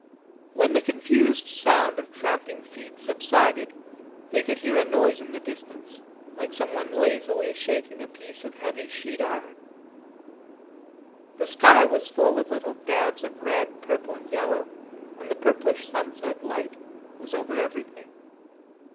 When the confused sound of tramping feet subsided, they could hear a noise in the distance, like someone lazily shaking a piece of heavy sheet iron. The sky was full of little dabs of red, purple and yellow and the purplish sunset light was over everything.